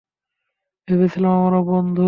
ভেবেছিলাম আমরা বন্ধু।